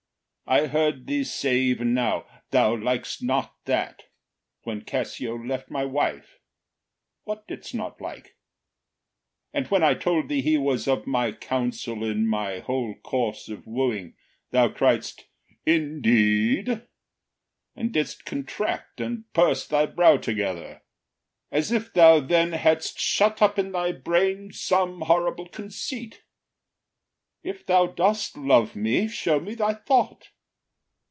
I heard thee say even now, thou lik’st not that, When Cassio left my wife. What didst not like? And when I told thee he was of my counsel In my whole course of wooing, thou criedst, “Indeed?” And didst contract and purse thy brow together, As if thou then hadst shut up in thy brain Some horrible conceit: if thou dost love me, Show me thy thought.